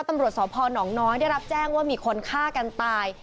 ตำรวจสพนน้อยได้รับแจ้งว่ามีคนฆ่ากันตาย